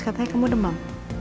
katanya kamu demam